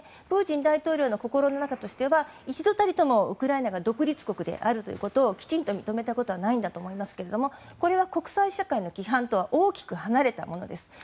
プーチン大統領の心の中としては一度たりともウクライナが独立国であるということをきちんと認めたことはないんだと思いますがこれは国際社会の規範とは大きく離れたものです。